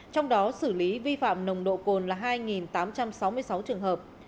trong đó xử lý vi phạm nồng độ cồn là hai tám trăm sáu mươi sáu trường hợp